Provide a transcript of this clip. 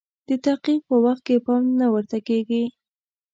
د تحقیق په وخت کې پام نه ورته کیږي.